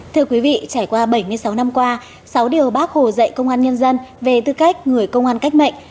thưa quý vị trải qua bảy mươi sáu năm qua sáu điều bác hồ dạy công an nhân dân về tư cách người công an cách mệnh